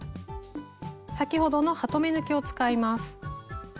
先ほどのハトメ抜きを使います。